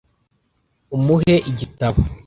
Umuhe igitabo .